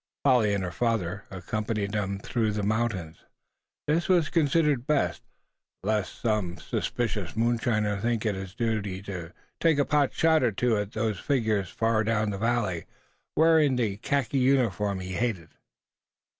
Polly and her father accompanied them through the mountains. This was considered best, lest some suspicious moonshiner think it his duty to take a pot shot or two at those figures far down the valley, wearing the khaki uniform he hated.